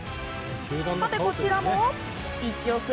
こちらも１億円